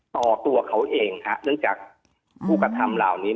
ต่อตัวเขาเองค่ะเนื่องจากคุกธรรมเหล่านี้